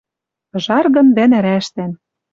Ыжаргын дӓ нӓрӓштӓн.